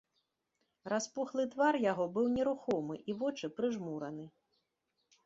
Распухлы твар яго быў нерухомы, і вочы прыжмураны.